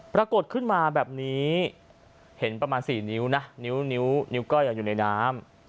ปรากฏขึ้นมาแบบนี้เห็นประมาณ๔นิ้วนะนิ้วนิ้วก้อยอยู่ในน้ำ